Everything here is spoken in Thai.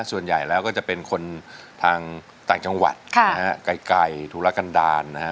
ส่วนใหญ่แล้วก็จะเป็นคนทางต่างจังหวัดไกลธุรกันดาลนะฮะ